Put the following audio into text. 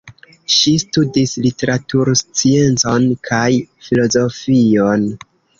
Ŝi studis literatursciencon kaj filozofion.